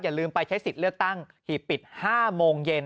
ลืมไปใช้สิทธิ์เลือกตั้งหีบปิด๕โมงเย็น